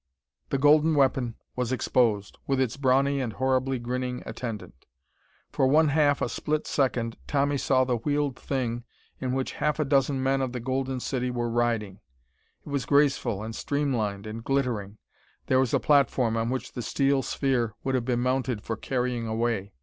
The golden weapon was exposed, with its brawny and horribly grinning attendant. For one half a split second Tommy saw the wheeled thing in which half a dozen men of the Golden City were riding. It was graceful and stream lined and glittering. There was a platform on which the steel sphere would have been mounted for carrying away.